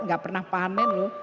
gak pernah panen loh